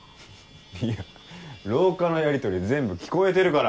いや廊下のやりとり全部聞こえてるから。